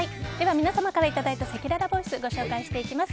皆様からいただいたせきららボイスご紹介していきます。